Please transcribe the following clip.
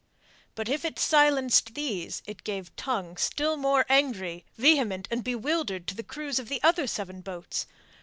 But if it silenced these, it gave tongue, still more angry, vehement, and bewildered to the crews of the other seven boats.